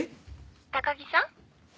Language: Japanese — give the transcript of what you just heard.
高木さん？